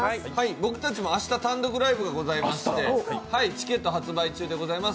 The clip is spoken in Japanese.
僕たちも明日、単独ライブがありましてチケット発売中でございます。